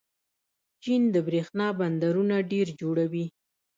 چین د برښنا بندونه ډېر جوړوي.